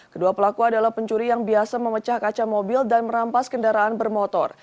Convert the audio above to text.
kedua pelaku adalah pencuri yang biasa memecah kaca mobil dan merampas kendaraan bermotor